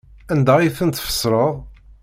Anda ay tent-tfesreḍ?